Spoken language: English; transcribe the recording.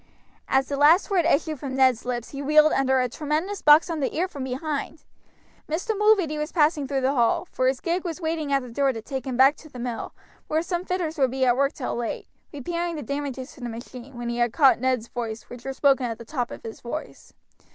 As the last word issued from Ned's lips he reeled under a tremendous box on the ear from behind. Mr. Mulready was passing through the hall for his gig was waiting at the door to take him back to the mill, where some fitters would be at work till late, repairing the damages to the machine when he had caught Ned's words, which were spoken at the top of his voice.